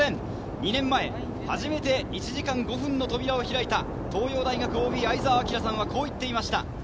２年前、初めて１時間５分の扉を開いた東洋大学ＯＢ・相澤晃さんはこう言っていました。